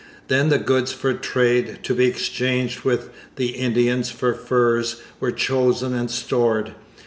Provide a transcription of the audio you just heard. Then the goods for trade, to be exchanged with the Indians for furs, were chosen and stored.